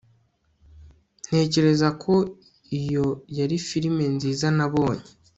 Ntekereza ko iyo yari firime nziza nabonye